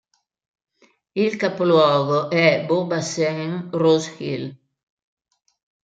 Il capoluogo è Beau Bassin-Rose Hill.